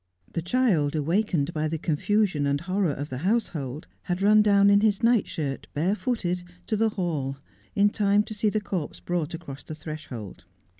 The child, awakened by the confusion and horror of the household, had run down in his night shirt, barefooted, to the hall, in time to see the corpse brought across the threshold.